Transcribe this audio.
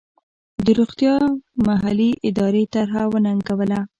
د روغتیا محلي ادارې طرحه وننګوله.